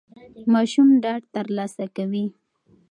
ماشوم ډاډ ترلاسه کوي.